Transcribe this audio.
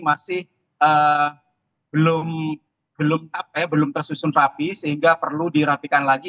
masih belum tersusun rapi sehingga perlu dirapikan lagi